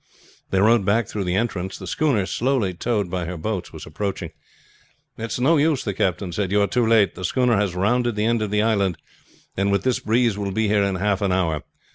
They rowed back through the entrance. The schooner slowly towed by her boats was approaching. "It is no use," the captain said, "you are too late. The schooner has rounded the end of the island, and with this breeze will be here in half an hour.